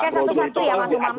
ya satu satu ya mas umam